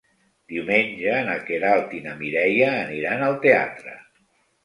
Diumenge na Queralt i na Mireia aniran al teatre.